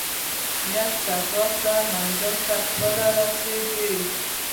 نیت صفاء کړه منزل ته خپله رسېږې.